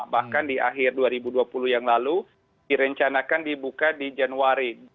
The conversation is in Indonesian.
bahkan di akhir dua ribu dua puluh yang lalu direncanakan dibuka di januari